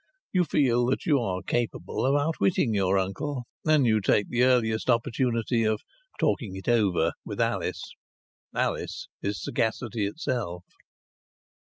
You feel that you are capable of out witting your uncle, and you take the earliest opportunity of "talking it over" with Alice. Alice is sagacity itself.